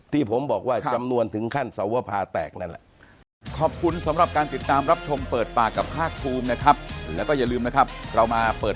ที่ผมบอกว่าจำนวนถึงขั้นสวภาแตกนั่นแหละ